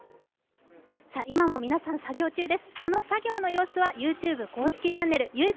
今も皆さん作業中で、